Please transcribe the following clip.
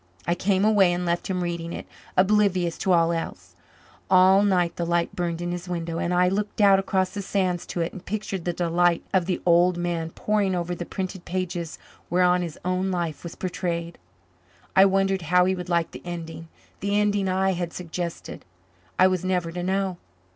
I came away and left him reading it, oblivious to all else. All night the light burned in his window, and I looked out across the sands to it and pictured the delight of the old man poring over the printed pages whereon his own life was portrayed. I wondered how he would like the ending the ending I had suggested. I was never to know.